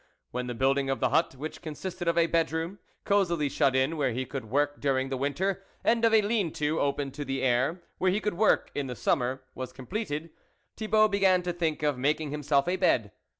When the building of the hut, which consisted of a bedroom, cosily shut in, where he could work during the whiter, and of a lean to, open to the air, where he could work in the summer, was completed, Thibault began to think of making him self a bed.